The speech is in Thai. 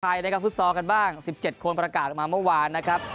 ไทยนะครับฟุตซอลกันบ้าง๑๗คนประกาศออกมาเมื่อวานนะครับ